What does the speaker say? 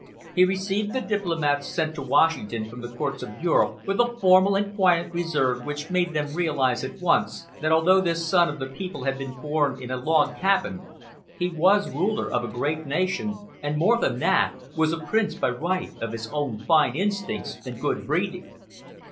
He received the diplomats sent to Washington from the courts of Europe with a formal and quiet reserve which made them realize at once that although this son of the people had been born in a log cabin, he was ruler of a great nation, and more than that, was a prince by right of his own fine instincts and good breeding.